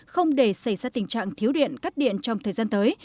không để xảy ra tình trạng thiếu điện cắt điện trong thời gian tới